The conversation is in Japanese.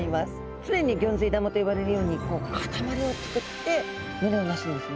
常にギョンズイ玉と呼ばれるように固まりを作って群れをなすんですね。